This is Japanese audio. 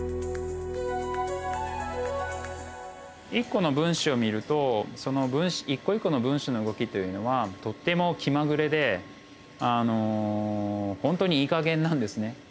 １個の分子を見るとその一個一個の分子の動きというのはとっても気まぐれであの本当にいいかげんなんですね。